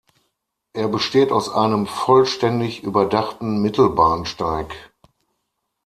Er besteht aus einem vollständig überdachten Mittelbahnsteig.